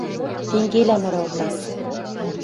Тенгелӓ мыралта: